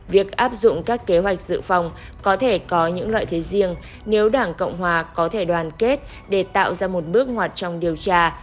việc áp dụng các kế hoạch dự phòng có thể có những lợi thế riêng nếu đảng cộng hòa có thể đoàn kết để tạo ra một bước ngoặt trong điều tra